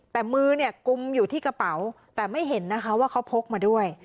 แต่มือเนี่ยกุมอยู่ที่กระเป๋าแต่ไม่เห็นนะคะว่าเขาพกมาด้วย